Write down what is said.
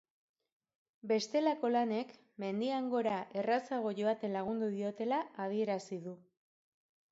Bestelako lanek mendian gora errazago joaten lagundu diotela adierazi du.